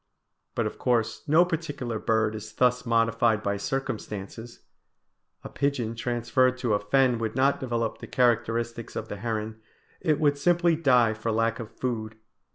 But of course no particular bird is thus modified by circumstances. A pigeon transferred to a fen would not develop the characteristics of the heron; it would simply die for lack of food.